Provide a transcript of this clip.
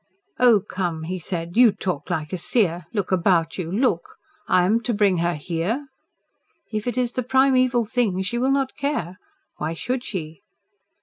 "Oh, come," he said. "You talk like a seer. Look about you. Look! I am to bring her here!" "If it is the primeval thing she will not care. Why should she?"